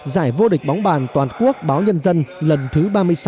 giải vô địch bóng bàn toàn quốc báo nhân dân lần thứ ba mươi sáu